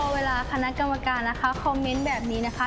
เวลาคณะกรรมการนะคะคอมเมนต์แบบนี้นะคะ